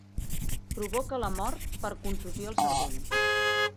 Provoca la mort per contusió al cervell.